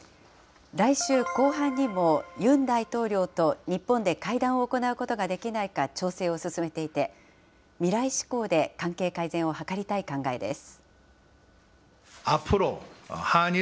来週後半にも、ユン大統領と日本で会談を行うことができないか調整を進めていて、未来志向で関係改善を図りたい考えです。